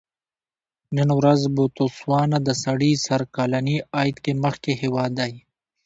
نن ورځ بوتسوانا د سړي سر کلني عاید کې مخکې هېواد دی.